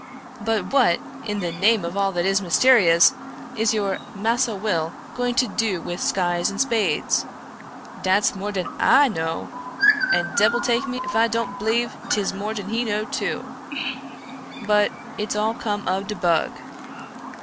" But what, in the name of all that is mysterious, is your * Massa Will ' going to do with scythes and spades ?"'' Dat's more dan / know, and debbil take me if I don't b'lieve 'tis more dan he know too. But it's all cum ob de bug."